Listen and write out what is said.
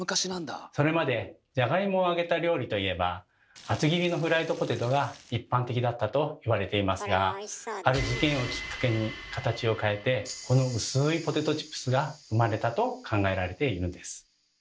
それまでじゃがいもを揚げた料理といえば厚切りのフライドポテトが一般的だったと言われていますがある事件をきっかけに形を変えてこの薄いポテトチップスが生まれたと考えられているんです。